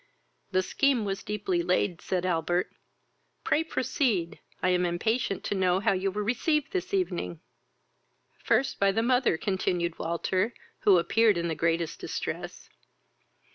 "The scheme was deeply laid, (said Albert.) Pray proceed; I am impatient to know how you were received this evening." "First by the mother, (continued Walter, who appeared in the greatest distress.